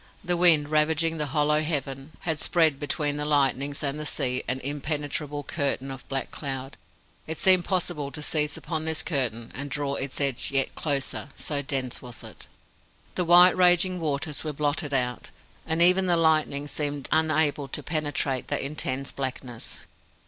The wind, ravaging the hollow heaven, had spread between the lightnings and the sea an impenetrable curtain of black cloud. It seemed possible to seize upon this curtain and draw its edge yet closer, so dense was it. The white and raging waters were blotted out, and even the lightning seemed unable to penetrate that intense blackness.